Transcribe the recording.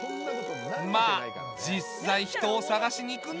まあ実際人を探しに行くんだよな。